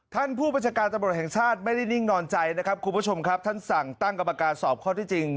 ท่านผู้บัญชาการตำรวจแห่งชาติไม่ได้นิ่งนอนใจนะครับคุณผู้ชมครับท่านสั่งตั้งกรรมการสอบข้อที่จริง